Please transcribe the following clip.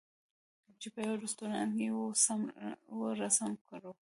چې په یوه رستوران یې وو رسم کړو.